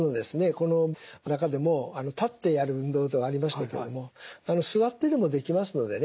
この中でも立ってやる運動というのがありましたけれども座ってでもできますのでね